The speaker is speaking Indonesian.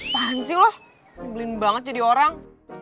pahan sih lo ngebelin banget jadi orang